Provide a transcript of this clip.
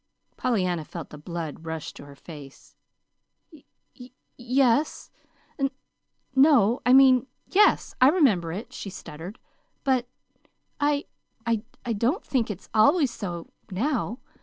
Pollyanna felt the blood rush to her face. "Y yes, n no I mean, yes, I remember it," she stuttered; "but I I don't think it's always so now.